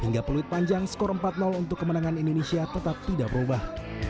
hingga peluit panjang skor empat untuk kemenangan indonesia tetap tidak berubah